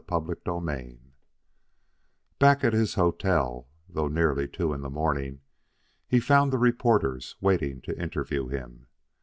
CHAPTER III Back at his hotel, though nearly two in the morning, he found the reporters waiting to interview him.